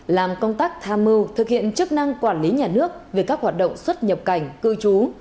làm công tác tham mưu thực hiện chức năng quản lý nhà nước về các hoạt động xuất nhập cảnh cư trú